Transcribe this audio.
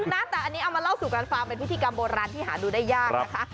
นะแต่อันนี้เอามาเล่าสู่กันฟังเป็นพิธีกรรมโบราณที่หาดูได้ยากนะคะ